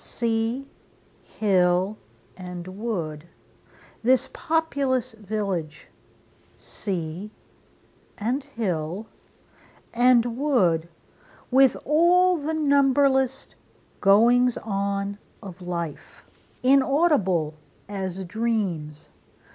Sea, hill, and wood, This populous village! Sea, and hill, and wood, With all the numberless goings on of life, Inaudible as dreams!